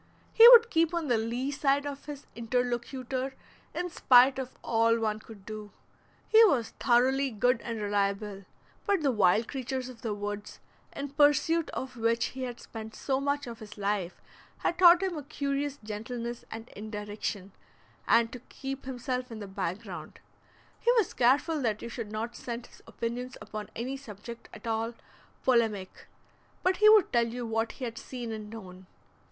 He would keep on the lee side of his interlocutor in spite of all one could do. He was thoroughly good and reliable, but the wild creatures of the woods, in pursuit of which he had spent so much of his life, had taught him a curious gentleness and indirection, and to keep himself in the back ground; he was careful that you should not scent his opinions upon any subject at all polemic, but he would tell you what he had seen and known.